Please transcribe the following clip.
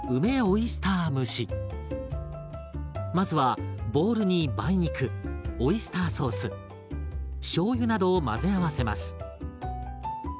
まずはボウルに梅肉オイスターソースしょうゆなどを混ぜ合わせます。